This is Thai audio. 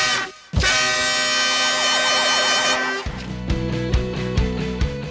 วันนี้เราจะภารกิจต่อทำในที่ยังไม่พอ